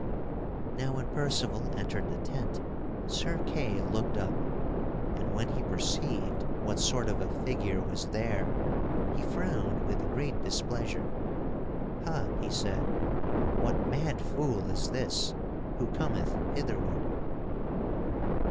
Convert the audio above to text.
Now when Percival entered the tent Sir Kay looked up, and when he perceived what sort of a figure was there, he frowned with great displeasure. "Ha!" he said, "what mad fool is this who cometh hitherward?"